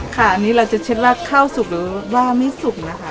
ค่ะอันนี้เราจะเช็ดว่าข้าวสุกหรือว่าไม่สุกนะคะ